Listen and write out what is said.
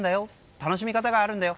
楽しみ方があるんだよ